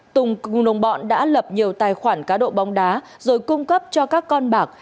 tùng cùng đồng bọn đã lập nhiều tài khoản cá độ bóng đá rồi cung cấp cho các con bạc